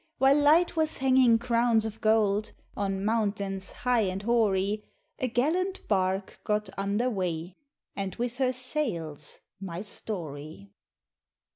While light was hanging crowns of gold On mountains high and hoary, A gallant bark got under weigh, And with her sails my story.